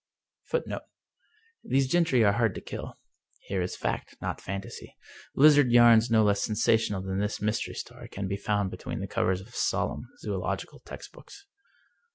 FOOTNOTE "Those gentry are hard to kill." Here is fact, not fantasy. Lizard yams no less sensational than this Mystery Story can be found between the covers of solemn, zoological textbooks.